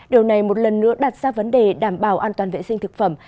điều này một lần nữa đặt ra vấn đề đảm bảo an toàn vệ sinh thực phẩm